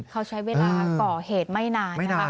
เขาใช้เวลาก่อเหตุไม่นานนะคะไม่นานครับ